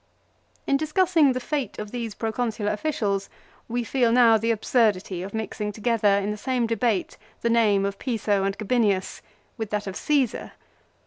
In discussing the fate of these Proconsular officials we feel now the absurdity of mixing together, in the same debate, the name of Piso and Gabinius with that of Caesar.